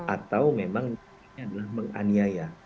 atau memang adalah menganiaya